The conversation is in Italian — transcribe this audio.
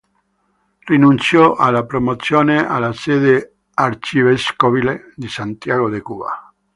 Rinunciò alla promozione alla sede arcivescovile di Santiago de Cuba.